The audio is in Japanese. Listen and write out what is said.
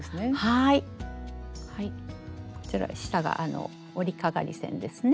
はいこちら下が織りかがり線ですね。